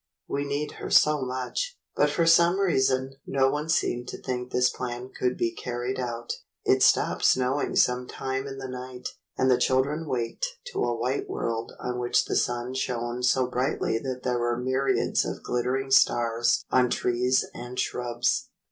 "We need her so much." But for some reason no one seemed to think this plan could be carried out. It stopped snowing some time in the night, and the children waked to a white world on which the sun shone so brightly that there were myriads of glitter ing stars on trees and shrubs.